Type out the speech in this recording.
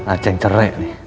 acek cerai nih